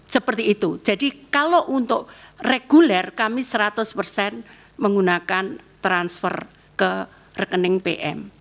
seperti itu jadi kalau untuk reguler kami seratus persen menggunakan transfer ke rekening pm